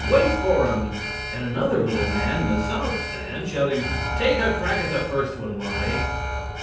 Wait for 'em," and another little man in the south stand shouting "Take a crack at the first one, Wally!"?